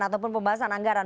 ataupun pembahasan anggaran